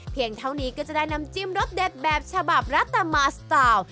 เท่านี้ก็จะได้น้ำจิ้มรสเด็ดแบบฉบับรัตมาสตาว